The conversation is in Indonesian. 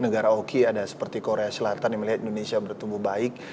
negara oki ada seperti korea selatan yang melihat indonesia bertumbuh baik